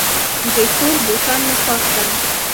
د کور بوټان مې پاک کړل.